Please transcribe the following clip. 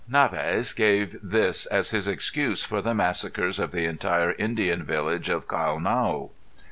Narvaez gave this as his excuse for the massacres of the entire Indian village of Caonao.